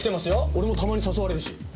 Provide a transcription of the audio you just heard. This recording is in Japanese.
俺もたまに誘われるし。